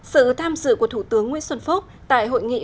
sự tham dự của thủ tướng nguyễn xuân phúc tại hội nghị